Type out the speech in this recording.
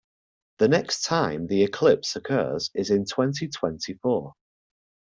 The next time the eclipse occurs is in twenty-twenty-four.